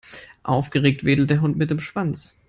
Aufgeregt wedelte der Hund mit dem Schwanz.